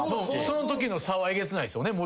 そのときの差はえげつないっすよね？